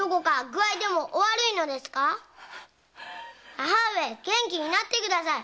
母上元気になってください。